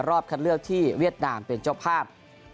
รอบคัคเลือกที่เวียดนามเป็นจบภาพ